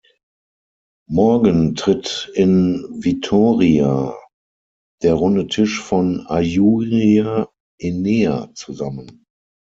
Morgen tritt in Vitoria der Runde Tisch von Ajuria-Enea zusammen.